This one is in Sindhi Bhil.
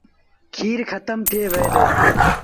کير کتم ٿئي وهي دو۔